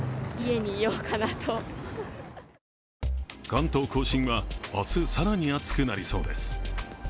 関東甲信は明日、更に暑くなりそうです。